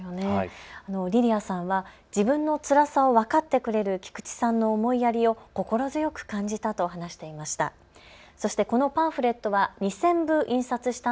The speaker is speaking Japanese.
リリアさんは自分のつらさを分かってくれる菊地さんの思いやりを心強く感じたと話していました。